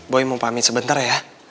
boy mau pamit sebentar ya